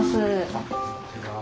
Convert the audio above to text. あこんにちは。